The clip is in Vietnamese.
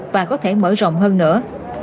và có thể mở rộng hơn nữa